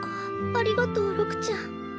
ありがとう六ちゃん。